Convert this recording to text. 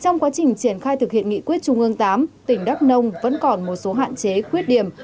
trong quá trình triển khai thực hiện nghị quyết trung ương viii tỉnh đắk nông vẫn còn một số hạn chế khuyết điểm